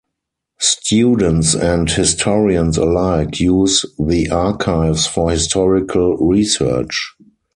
Students and historians alike use the Archives for historical research.